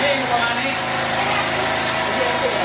อันดับที่สุดท้ายก็จะเป็น